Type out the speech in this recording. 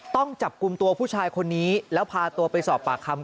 ต้องจับกลุ่มตัวผู้ชายคนนี้แล้วพาตัวไปสอบปากคำ